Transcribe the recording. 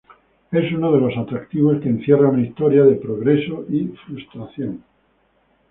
Es uno de los atractivos que encierra una historia de progreso y frustración.